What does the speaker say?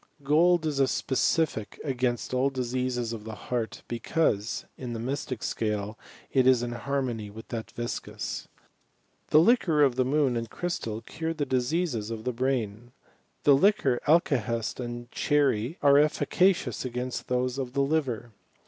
Gold is a specific against all diseases of the heart, be cause, in the mystic scale, it is in harmony with that viscus. The liquor of the moon and crystal cure the diseases of the broin. The liquor aUtakest and cheiri are efficacious against those of the liver.